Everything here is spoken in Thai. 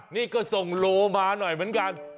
นี่ก็ส่งโลมาหน่อยเหมือนกัน